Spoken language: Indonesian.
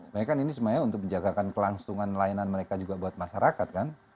sebenarnya kan ini sebenarnya untuk menjagakan kelangsungan layanan mereka juga buat masyarakat kan